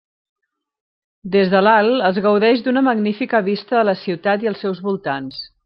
Des de l'alt es gaudeix d'una magnífica vista de la ciutat i els seus voltants.